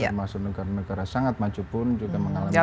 termasuk negara negara sangat maju pun juga mengalami hal yang sama